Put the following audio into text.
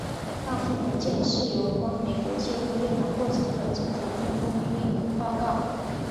那份文件是有关美国介入越南过程的政府内部秘密报告。